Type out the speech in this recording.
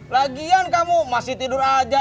lagian kamu masih tidur aja